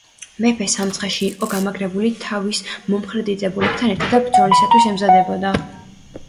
მეფე სამცხეში იყო გამაგრებული თავის მომხრე დიდებულებთან ერთად და ბრძოლისათვის ემზადებოდა.